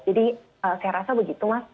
jadi saya rasa begitu mas